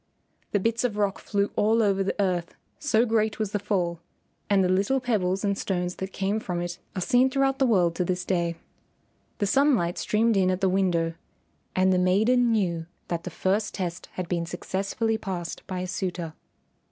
The bits of rock flew all over the earth so great was the fall, and the little pebbles and stones that came from it are seen throughout the world to this day. The sunlight streamed in at the window, and the maiden knew that the first test had been successfully passed by a suitor.